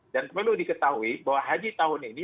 dan perlu diketahui bahwa haji tahun ini